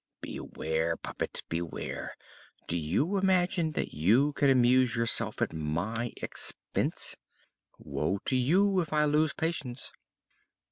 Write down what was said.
"Beware, puppet, beware! Don't imagine that you can amuse yourself at my expense. Woe to you if I lose patience!"